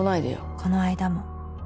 「この間も」